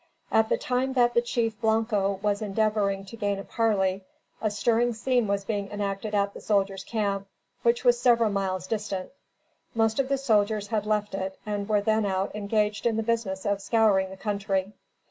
At the time that the chief Blanco was endeavoring to gain a parley, a stirring scene was being enacted at the soldiers' camp, which was several miles distant. Most of the soldiers had left it and were then out engaged in the business of scouring the country.